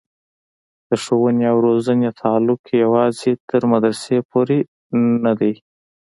د ښوونې او روزنې تعلق یوازې تر مدرسې پورې نه دی.